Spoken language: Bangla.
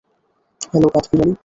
হেলো, কাঠবিড়ালী।